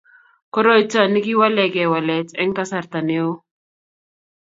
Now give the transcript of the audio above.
koroitab ni kowalege walet eng kasarta neo